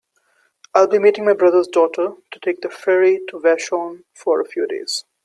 I will be meeting my brother's daughter to take the ferry to Vashon for a few days.